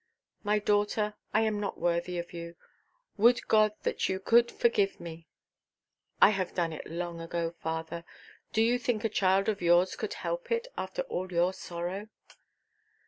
"My daughter, I am not worthy of you. Would God that you could forgive me!" "I have done it long ago, father. Do you think a child of yours could help it, after all your sorrow?"